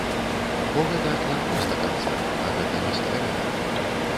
Бо гэта не проста канцэрт, а гэта містэрыя.